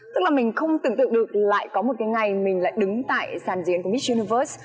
tức là mình không tưởng tượng được lại có một cái ngày mình lại đứng tại sàn diễn của mitchnoverse